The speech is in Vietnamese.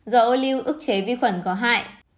dầu ô lưu ức chế vi khuẩn có hại